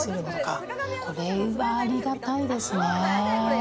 これはありがたいですね。